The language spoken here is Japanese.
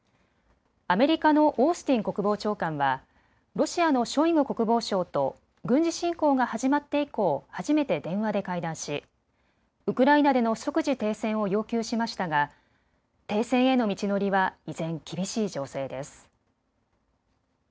アメリカのオースティン国防長官はロシアのショイグ国防相と軍事侵攻が始まって以降、初めて電話で会談しウクライナでの即時停戦を要求しましたが停戦への道のりは依然、厳しい情勢です。